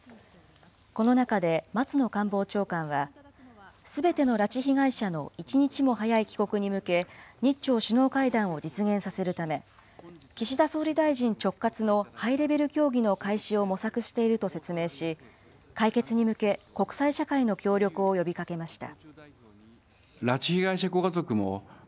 この中で松野官房長官は、すべての拉致被害者の一日も早い帰国に向け、日朝首脳会談を実現させるため、岸田総理大臣直轄のハイレベル協議の開始を模索していると説明し、解決に向け、国際社会の協力を呼びかけました。